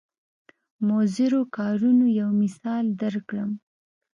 مضرو کارونو یو مثال درکړم.